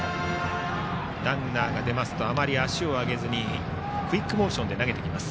ランナーが出ますとあまり足を上げずにクイックモーションで投げます。